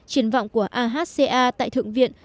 chiến vọng của ahca tại thượng viện